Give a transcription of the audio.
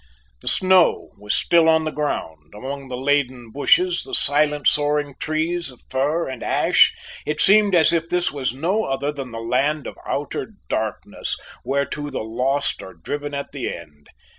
The snow was still on the ground; among the laden bushes, the silent soaring trees of fir and ash, it seemed as if this was no other than the land of outer darkness whereto the lost are driven at the end.